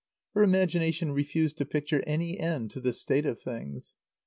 Her imagination refused to picture any end to this state of things.